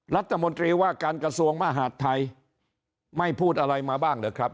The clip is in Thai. รัฐมนตรีว่าการกระทรวงมหาดไทยไม่พูดอะไรมาบ้างเหรอครับ